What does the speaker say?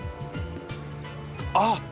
あっ！